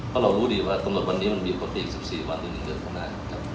เพราะเรารู้ดีว่ากำหนดวันนี้มันมีผลอีก๑๔วันหรือ๑เดือนข้างหน้า